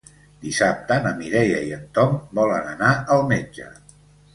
Dissabte na Mireia i en Tom volen anar al metge.